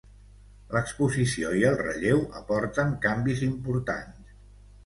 L'exposició i el relleu aporten canvis importants.